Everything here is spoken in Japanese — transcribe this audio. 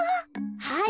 はい。